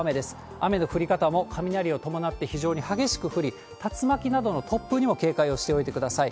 雨の降り方も、雷を伴って非常に激しく降り、竜巻などの突風にも警戒をしておいてください。